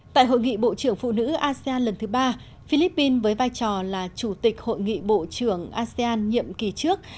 tại hội nghị bộ trưởng phụ nữ asean lần thứ ba philippines với vai trò là chủ tịch hội nghị bộ trưởng asean nhiệm kỳ trước